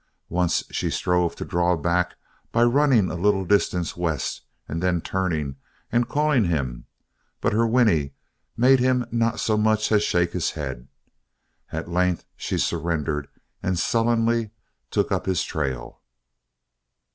Once she strove to draw back by running a little distance west and then turning and calling him but her whinny made him not so much as shake his head. At length she surrendered and sullenly took up his trail.